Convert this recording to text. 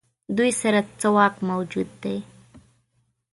دوی سره څه واک موجود دی.